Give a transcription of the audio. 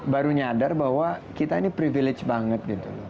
baru nyadar bahwa kita ini privilege banget gitu